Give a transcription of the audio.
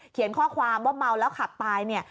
เขียนข้อความว่าเมาแล้วขับปลายเนี่ย